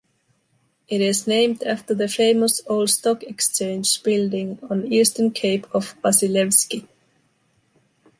It is named after the famous old stock exchange building on eastern cape of Vasilevsky.